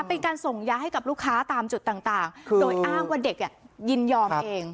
เป็นการส่งยาให้กับลูกค้าตามจุดต่างโดยอ้างว่าเด็กยินยอมเอง